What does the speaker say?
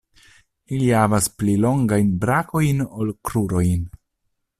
Ili havas pli longajn brakojn ol krurojn.